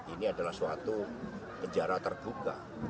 ini adalah suatu penjara terbuka